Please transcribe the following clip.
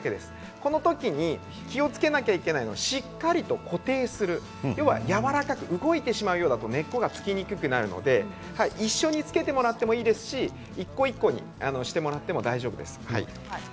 この時に気をつけなきゃいけないのはしっかりと固定するやわらかく動いてしまうようだと根っこがつきにくくなるので一緒につけてもらってもいいですし、一個一個つけてもらってもいいです。